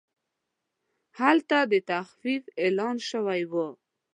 هلته د تخفیف اعلان شوی و.